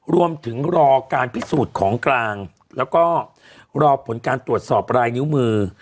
รอการพิสูจน์ของกลางแล้วก็รอผลการตรวจสอบรายนิ้วมือ